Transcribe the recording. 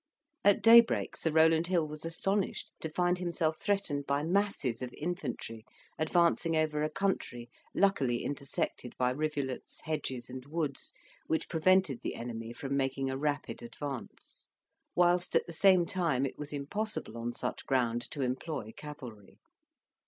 At daybreak Sir Rowland Hill was astonished to find himself threatened by masses of infantry advancing over a country luckily intersected by rivulets, hedges, and woods, which prevented the enemy from making a rapid advance; whilst, at the same time, it was impossible on such ground to employ cavalry.